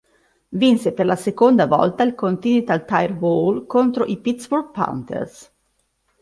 Vinse per la seconda volta il Continental Tire Bowl contro i Pittsburgh Panthers.